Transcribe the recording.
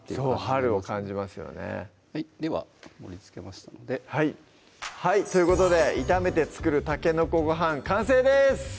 春を感じますよねでは盛りつけましたのではいということで「炒めて作る筍ごはん」完成です！